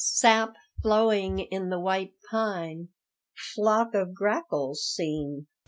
Sap flowing in the white pine. Flock of grackles seen.